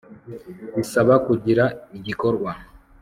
bisaba kugira igikorwa